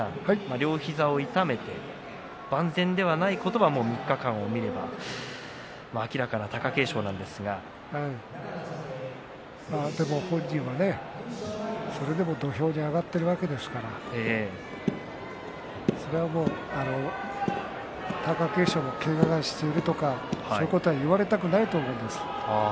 両膝を痛めて万全ではないことは３日間を見れば明らかなでも本人はそれでも土俵に上がっているわけですからそれはもう貴景勝もけがをしているとかそういうことは言われたくないと思うんです。